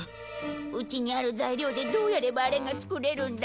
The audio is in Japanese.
うちにある材料でどうやればあれが作れるんだろう。